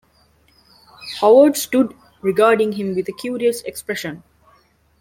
Howard stood regarding him with a curious expression.